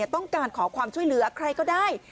ต้องการขอความช่วยเหลือใครก็ได้